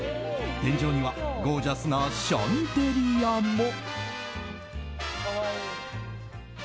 天井にはゴージャスなシャンデリアも。